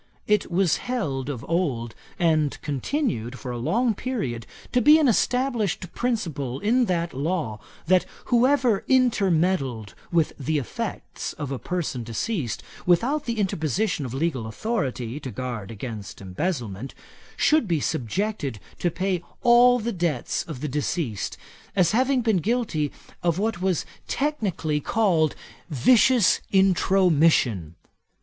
It was held of old, and continued for a long period, to be an established principle in that law, that whoever intermeddled with the effects of a person deceased, without the interposition of legal authority to guard against embezzlement, should be subjected to pay all the debts of the deceased, as having been guilty of what was technically called vicious intromission.